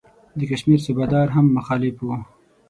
د کشمیر صوبه دار هم مخالف وو.